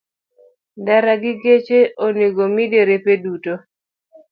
Ndara gi geche onego mi derepe duto.